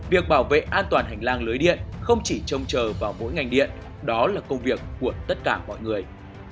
việc bảo vệ an toàn hành lang lưới điện không chỉ trông chờ vào mỗi ngành điện đó là công việc của tất cả mọi người